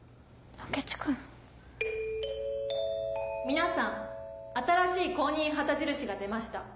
皆さん新しい公認旗印が出ました。